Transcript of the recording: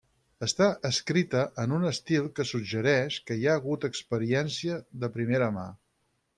Està escrita en un estil que suggereix que hi ha hagut experiència de primera mà.